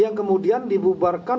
yang kemudian dibubarkan